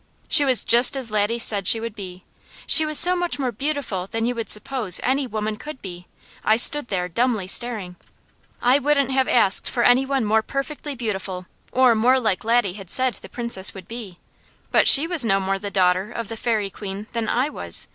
She was just as Laddie said she would be; she was so much more beautiful than you would suppose any woman could be, I stood there dumbly staring. I wouldn't have asked for any one more perfectly beautiful or more like Laddie had said the Princess would be; but she was no more the daughter of the Fairy Queen than I was.